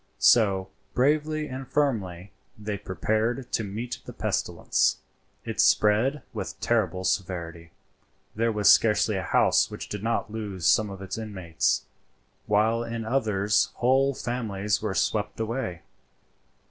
So, bravely and firmly, they prepared to meet the pestilence; it spread with terrible severity. There was scarcely a house which did not lose some of its inmates, while in others whole families were swept away.